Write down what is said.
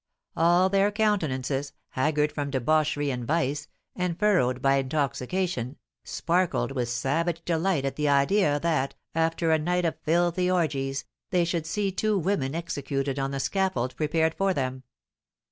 All their countenances, haggard from debauchery and vice, and furrowed by intoxication, sparkled with savage delight at the idea that, after a night of filthy orgies, they should see two women executed on the scaffold prepared for them.